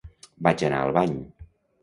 Vaig anar al bany.